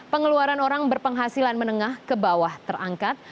pengeluaran orang berpenghasilan menengah ke bawah terangkat